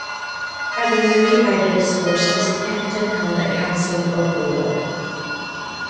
Having reunited his forces, Hampton held a council of war.